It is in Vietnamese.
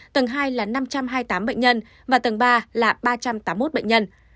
tầng hai là năm trăm hai mươi tám bệnh nhân và tầng ba là ba trăm tám mươi một bệnh nhân